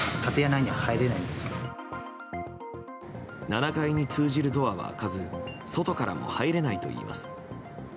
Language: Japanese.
７階に通じるドアは開かず外からも入れないといいます。